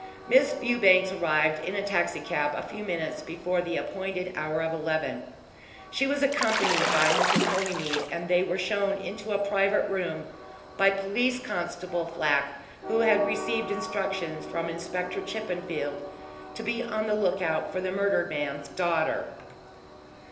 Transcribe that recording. Miss Fewbanks arrived in a taxi cab a few minutes before the appointed hour of eleven. She was accompanied by Mrs. Holymead, and they were shown into a private room by Police Constable Flack, who had received instructions from Inspector Chippenfield to be on the lookout for the murdered man's daughter.